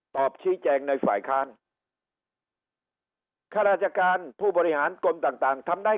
ตอบชี้แจงในฝ่ายค้าราชการผู้บริหารกลุ่มต่างทำได้